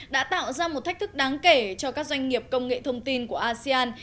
đã tạo ra một thách thức đáng kể cho các doanh nghiệp công nghệ thông tin của asean